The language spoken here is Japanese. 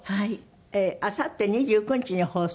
あさって２９日に放送？